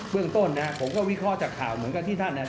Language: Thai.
เรื่องต้นนะครับผมก็วิเคราะห์จากข่าวเหมือนกันที่ท่านเนี่ย